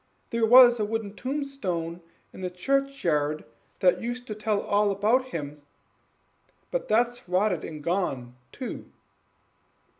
There was a wooden tombstone in the churchyard that used to tell all about him, but that's rotten and gone too."